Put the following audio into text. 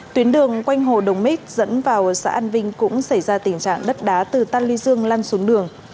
tuyến đường quanh hồ đồng mít dẫn vào xã an vinh cũng xảy ra tình trạng đất đá từ tan ly dương lan xuống đường